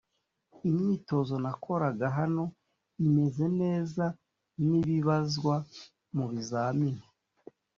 imyitozo nakoraga hano imeze neza nibibazwa mu bizamini